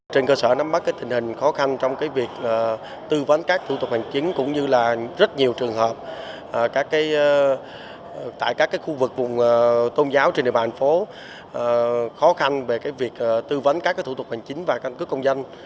trên cơ sở nắm bắt tình hình khó khăn trong việc tư vấn các thủ tục hành chính cũng như là rất nhiều trường hợp tại các khu vực vùng tôn giáo trên địa bàn thành phố khó khăn về việc tư vấn các thủ tục hành chính và căn cước công dân